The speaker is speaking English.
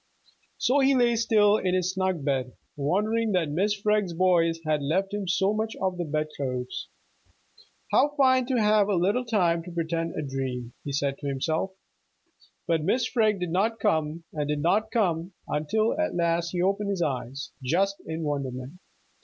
So he lay still in his snug bed, wondering that Mrs. Freg's boys had left him so much of the bed clothes. "How fine to have a little time to pretend a dream!" he said to himself. But Mrs. Freg did not come and did not come, until at last he opened his eyes, just in wonderment.